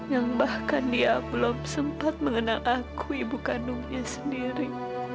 yang bahkan dia belum sempat mengenal aku ibu kandungnya sendiri